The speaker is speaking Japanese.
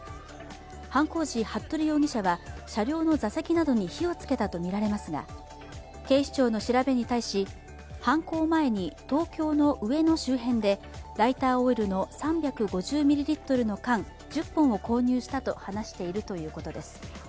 犯行時、服部容疑者は車両の座席などに火をつけたとみられますが警視庁の調べに対し、犯行前に東京の上野周辺でライターオイルの３５０ミリリットルの缶１０本を購入したと話しているということです。